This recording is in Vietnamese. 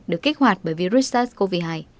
được kích hoạt bởi virus sars cov hai